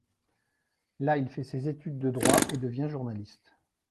Là, il fait ses études de droits et devient journaliste.